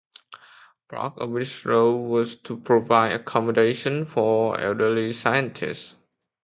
Part of its role was to provide accommodation for elderly scientists.